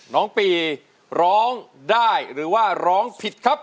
น้องปีร้องได้หรือว่าร้องผิดครับ